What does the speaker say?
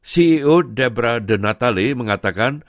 ceo debra de natale mengatakan